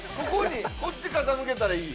こっちに傾けたらいい？